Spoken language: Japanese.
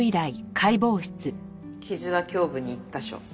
傷は胸部に１カ所。